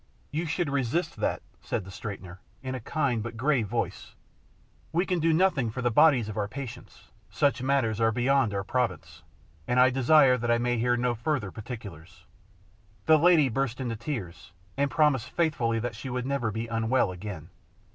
"You should resist that," said the straightener, in a kind, but grave voice; "we can do nothing for the bodies of our patients; such matters are beyond our province, and I desire that I may hear no further particulars." The lady burst into tears, and promised faithfully that she would never be unwell again.